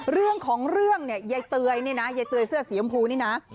เรื่องของเรื่องเนี่ยยายเตยเนี่ยนะยายเตยเสื้อสีชมพูนี่นะ